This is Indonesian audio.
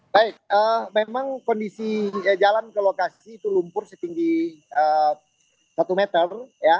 baik memang kondisi jalan ke lokasi itu lumpur setinggi satu meter